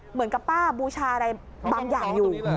เหมือนกับป้าบูชาอะไรบางอย่างอยู่